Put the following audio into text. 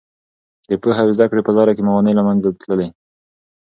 د پوهې او زده کړې په لاره کې موانع له منځه تللي.